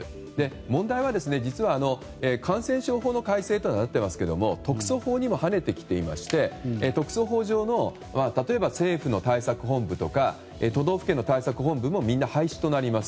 問題は実は感染症法の改正となっていますが特措法にも、はねてきていまして特措法上の例えば政府の対策本部とか都道府県の対策本部もみんな廃止となります。